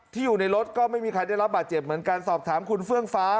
อยู่ในรถก็ไม่มีใครได้รับบาดเจ็บเหมือนกันสอบถามคุณเฟื่องฟ้า